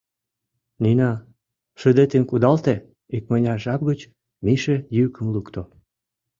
— Нина, шыдетым кудалте... — икмыняр жап гыч Миша йӱкым лукто.